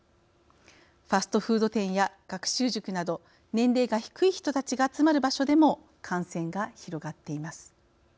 ファストフード店や学習塾など年齢が低い人たちが集まる場所でも感染が広がっています。